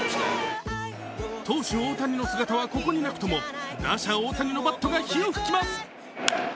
投手・大谷の姿はここになくとも打者・大谷のバットが火を噴きます。